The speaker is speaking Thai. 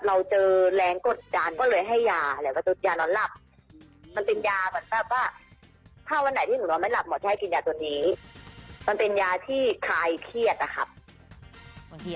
หมอช่อยให้กินยาตัวอันนี้